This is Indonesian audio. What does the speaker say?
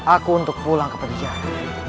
aku untuk pulang ke penjara